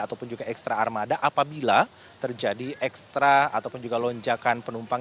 ataupun juga ekstra armada apabila terjadi ekstra ataupun juga lonjakan penumpang